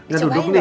yang duduk nih